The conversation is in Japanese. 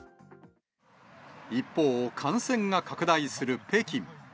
一方、感染が拡大する北京。